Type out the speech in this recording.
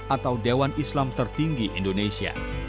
atau dewan islam tertinggi indonesia